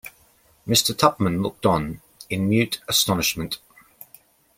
Mr. Tupman looked on, in mute astonishment.